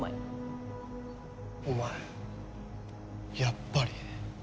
お前やっぱり。